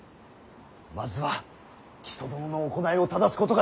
まずは木曽殿の行いを正すことが先。